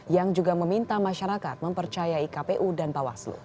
yang juga meminta masyarakat mempercayai kpu dan bawaslu